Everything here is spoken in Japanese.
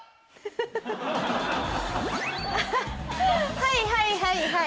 はいはいはいはい。